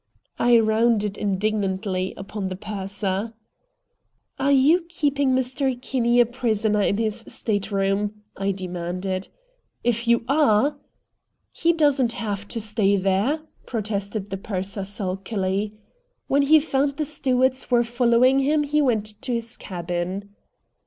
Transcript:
I rounded indignantly upon the purser. "Are you keeping Mr. Kinney a prisoner in his state room?" I demanded. "If you are " "He doesn't have to stay there," protested the purser sulkily. "When he found the stewards were following him he went to his cabin."